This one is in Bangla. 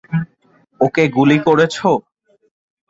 ওকে গুলি করেছো!